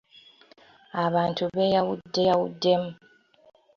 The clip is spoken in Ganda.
Abantu beeyawuddeyawuddemu.